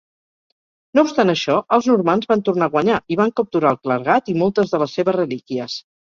No obstant això, els normands van tornar a guanyar i van capturar el clergat i moltes de les seves relíquies.